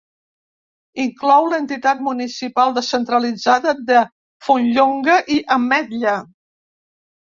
Inclou l'entitat municipal descentralitzada de Fontllonga i Ametlla.